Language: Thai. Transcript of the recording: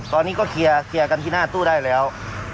ตอนนี้ก็เคลียร์กันที่หน้าตู้ได้แล้ว